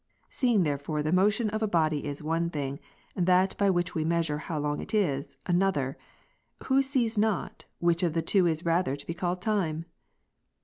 Seeing therefore the motion of a body is one thing, that by which we measure how long it is, another ; who sees not, which of the two is rather to be called time